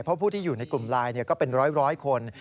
เพราะผู้ที่อยู่ในกลุ่มไลน์ก็เป็นร้อยคน